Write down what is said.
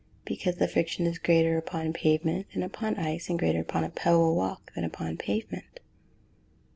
_ Because the friction is greater upon pavement than upon ice, and greater upon a pebble walk than upon pavement.